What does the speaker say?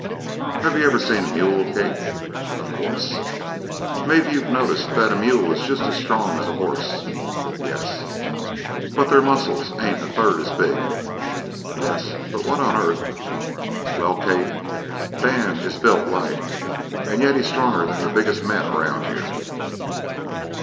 "Have you ever seen a mule, Kate?" "Of course!" "Maybe you've noticed that a mule is just as strong as a horse " "Yes." " but their muscles ain't a third as big?" "Yes, but what on earth " "Well, Kate, Dan is built light an' yet he's stronger than the biggest men around here."